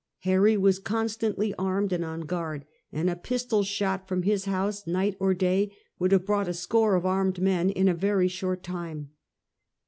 Harry was constantly armed and on guard, and a pistol shot from his house, night or day, w^ould have brought a score of armed men in a very short time.